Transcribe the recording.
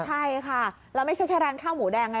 ใช่ค่ะแล้วไม่ใช่แค่ร้านข้าวหมูแดงไง